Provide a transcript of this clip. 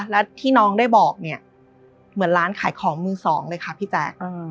แล้วที่น้องได้บอกเนี่ยเหมือนร้านขายของมือสองเลยค่ะพี่แจ๊ค